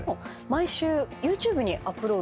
毎週ＹｏｕＴｕｂｅにアップロード